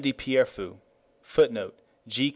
de Pierrefeu, [Footnote: _G.